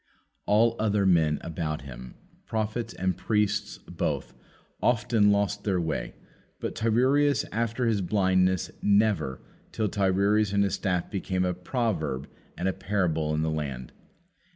All other men about him, prophets and priests both, often lost their way, but Tiresias after his blindness, never, till Tiresias and his staff became a proverb and a parable in the land.